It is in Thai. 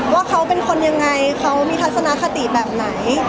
ว่าเขาเป็นคนยังไงเขามีทัศนคติแบบไหน